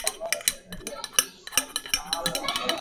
Mapishi ya viazi lishe yapo ya aina mbali mbal